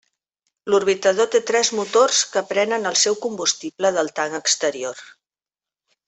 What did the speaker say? L'orbitador té tres motors que prenen el seu combustible del tanc exterior.